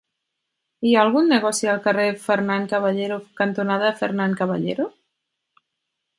Hi ha algun negoci al carrer Fernán Caballero cantonada Fernán Caballero?